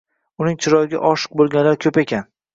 Uning chiroyiga oshiq bo’lganlar ko’p ekan.